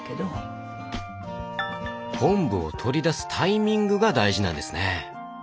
昆布を取り出すタイミングが大事なんですね。